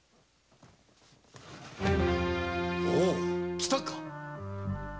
おう来たか！